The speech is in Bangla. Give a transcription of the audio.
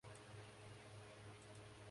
দড়িটা কেটে দেবে।